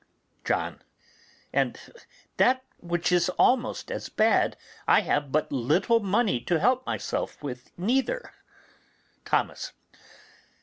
John. And that which is almost as bad, I have but little money to help myself with neither. Thomas.